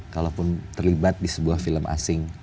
kalaupun terlibat di sebuah film asing